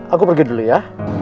aku pergi dulu ya